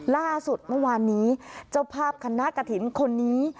ล่าสุดเมื่อวานนี้เจ้าภาพคณะกระถิ่นคนนี้